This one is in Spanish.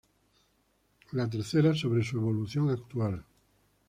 La tercera, sobre su evolución actual.